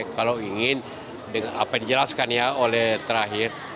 kalau ingin apa yang dijelaskan ya oleh terakhir